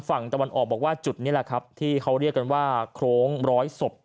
ฝั่งตะวันออกบอกว่าจุดนี้แหละครับที่เขาเรียกกันว่าโครงร้อยศพ